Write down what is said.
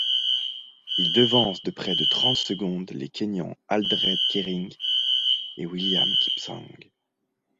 Il devance de près de trente secondes les Kényans Aldred Kering et William Kipsang.